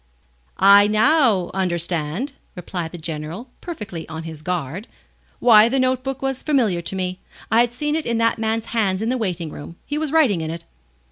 "I now understand," replied the General, perfectly on his guard, "why the note book was familiar to me. I had seen it in that man's hands in the waiting room. He was writing in it."